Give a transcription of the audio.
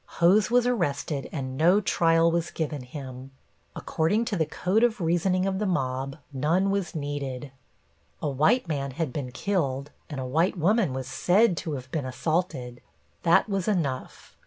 Hose was arrested and no trial was given him. According to the code of reasoning of the mob, none was needed. A white man had been killed and a white woman was said to have been assaulted. That was enough.